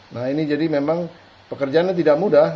nah ini jadi memang pekerjaannya tidak mudah